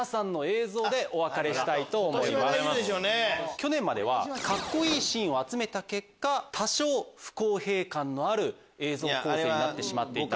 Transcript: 去年まではカッコいいシーンを集めた結果多少不公平感のある映像構成になってしまっていた。